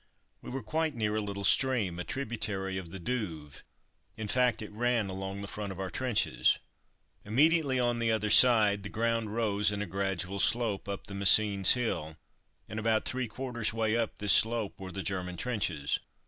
We were quite near a little stream, a tributary of the Douve, in fact it ran along the front of our trenches. Immediately on the other side the ground rose in a gradual slope up the Messines hill, and about three quarters way up this slope were the German trenches.